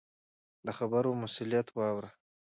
د خبرو مسؤلیت واوره.